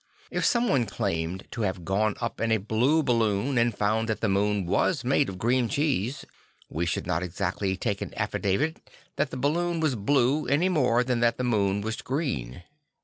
If somebody claimed to have gone up in a blue balloon and found that the moon was made of green cheese, we should not exactly take an affidavit that the balloon was blue any more than that the moon was green.